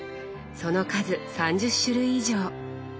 その数３０種類以上。